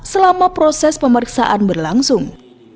selama proses pemeriksaan berlangsung